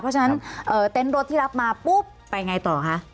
เพราะฉะนั้นเต็นต์รถที่รับมาปุ๊บไปไงต่อคะ